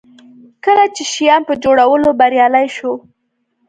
کله چې شیام په جوړولو بریالی شو.